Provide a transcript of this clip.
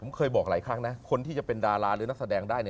ผมเคยบอกหลายครั้งนะคนที่จะเป็นดาราหรือนักแสดงได้